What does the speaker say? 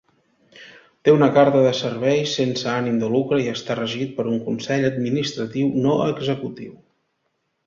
Té una carta de serveis sense ànim de lucre i està regit per un consell administratiu no executiu.